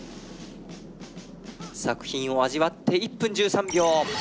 作品を味わって１分１３秒。